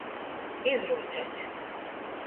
Izrūceit.